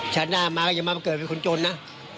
ชาติหน้ามาก็อย่ามาเกิดเป็นคนจนนะ